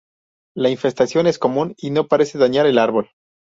La infestación es común y no parece dañar el árbol.